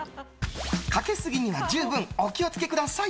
かけすぎには十分お気を付けください。